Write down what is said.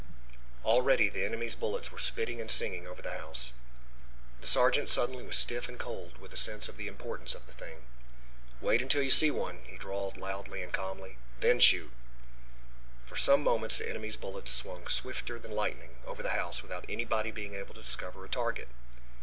Already the enemy's bullets were spitting and singing over the house. The sergeant suddenly was stiff and cold with a sense of the importance of the thing. "Wait until you see one," he drawled loudly and calmly, "then shoot." For some moments the enemy's bullets swung swifter than lightning over the house without anybody being able to discover a target.